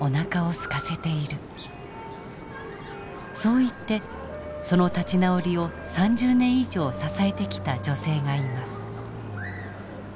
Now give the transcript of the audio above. そう言ってその立ち直りを３０年以上支えてきた女性がいます。